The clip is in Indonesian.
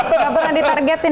nggak pernah ditargetin ya pak